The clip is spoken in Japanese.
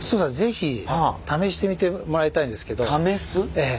ええ。